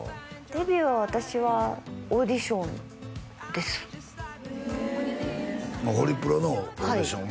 デビューは私はオーディションですホリプロのオーディション？